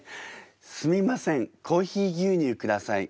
すみませんコーヒー牛乳下さい。